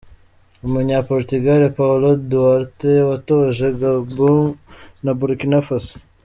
Umunya Portugal Paulo Duarte watoje Gabon na Burkina Faso.